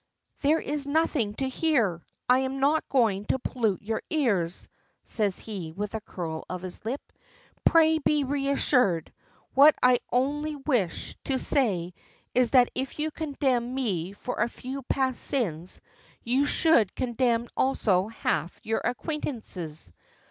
"There is nothing to hear. I am not going to pollute your ears," says he, with a curl of his lip. "Pray be reassured. What I only wish to say is that if you condemn me for a few past sins you should condemn also half your acquaintances.